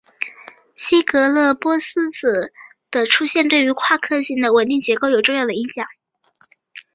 希格斯玻色子的出现对于夸克星的稳定结构有重要的影响。